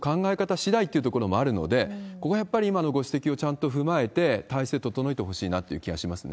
しだいっていうところもあるので、ここはやっぱり今のご指摘をちゃんと踏まえて、体制整えてほしいなって気がしますね。